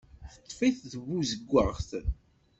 Teṭṭef-it tbuzeggaɣt.